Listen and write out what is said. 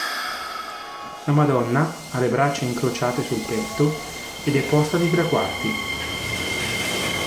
La Madonna ha le braccia incrociate sul petto ed è posta di tre quarti.